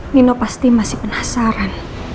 nino pasti masih penasaran